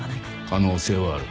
可能性はある。